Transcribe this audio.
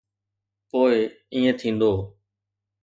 پوءِ ائين ٿيندو.